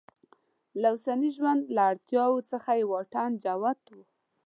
له اوسني ژوند له اړتیاوو څخه یې واټن جوت و.